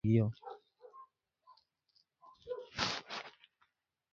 خور کورہ ہمی مراسکن کی نو شیرانی تان بچین گران مو جوݰانی مگم کتابہ ݯھترارو قدیم رویان حقیقی زندگیو